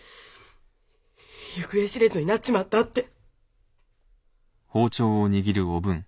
行方知れずになっちまったって。